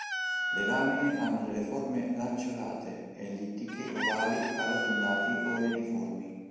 Le lamine hanno delle forme lanceolate, ellittiche, ovali, arrotondate o reniformi.